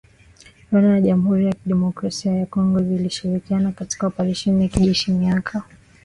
Rwanda na Jamhuri ya kidemokrasia ya Kongo zilishirikiana katika oparesheni ya kijeshi miaka miwili iliyopita.